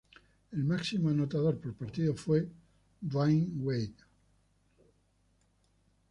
El máximo anotador por partido fue Dwayne Wade.